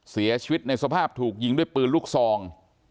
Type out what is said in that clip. เสียชีวิตในสภาพถูกยิงด้วยปืนลูกซอง